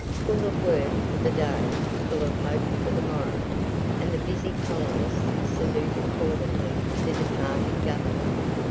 Full of work for the day, full of hope for the morrow, the busy colonists saluted cordially the departing Governor.